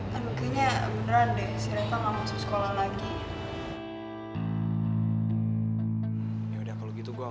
kayaknya beneran deh si reva gak masuk sekolah lagi